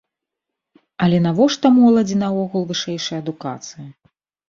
Але навошта моладзі наогул вышэйшая адукацыя?